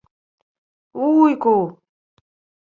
— Вуйку...